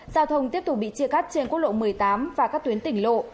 giao thông tiếp tục bị chia cắt trên quốc lộ một mươi tám và các tuyến tỉnh lộ